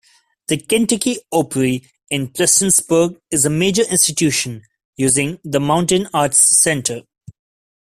The Kentucky Opry in Prestonsburg is a major institution, using the Mountain Arts Center.